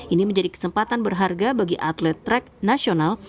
ini menjadi kesempatan berharga bagi atlet track nasional